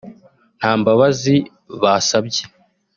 nta mbabazi basabye